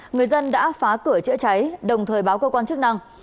người dân đã phá cửa chữa cháy đồng thời báo cơ quan chức năng